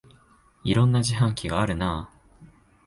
いろんな自販機があるなあ